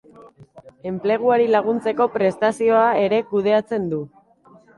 Enpleguari laguntzeko prestazioa ere kudeatzen du.